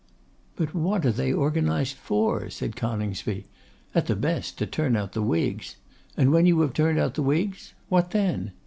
'But what are they organised for?' said Coningsby. 'At the best to turn out the Whigs. And when you have turned out the Whigs, what then?